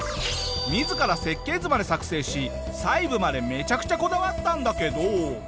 自ら設計図まで作成し細部までめちゃくちゃこだわったんだけど。